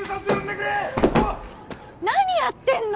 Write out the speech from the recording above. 何やってんの。